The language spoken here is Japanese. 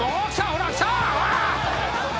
ほらきた！